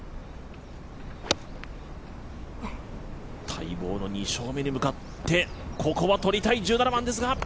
待望の２勝目に向かってここは取りたい１７番ですが。